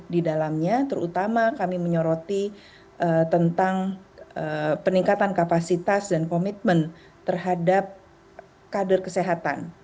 di dalamnya terutama kami menyoroti tentang peningkatan kapasitas dan komitmen terhadap kader kesehatan